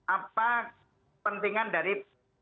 apa pentingan dari